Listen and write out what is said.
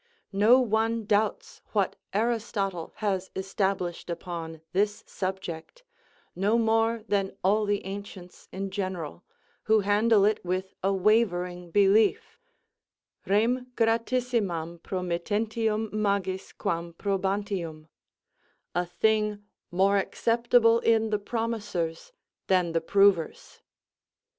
No one doubts what Aristotle has established upon this subject, no more than all the ancients in general, who handle it with a wavering belief: Rem gratissimam promittentium magis quam probantium: "A thing more acceptable in the promisors than the provers."